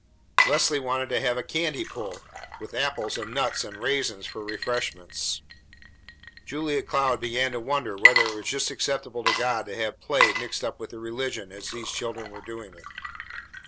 Leslie wanted to have a candy pull, with apples and nuts and raisins for refreshments. Julia Cloud began to wonder whether it was just as acceptable to God to have play mixed up with the religion as these children were doing it.